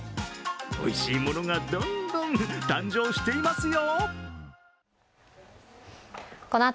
おいしいものがどんどん誕生していますよ。